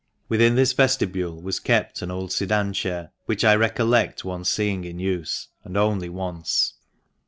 Within this vestibule was kept an old sedan chair which I recollect once seeing in use, and only once.